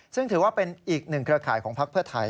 ซึ่งถือว่าเป็นอีกหนึ่งเครือข่ายของพักเพื่อไทย